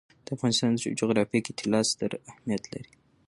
د افغانستان جغرافیه کې طلا ستر اهمیت لري.